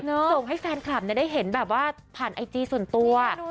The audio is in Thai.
ส่งให้แฟนคลับได้เห็นแบบว่าผ่านไอจีส่วนตัว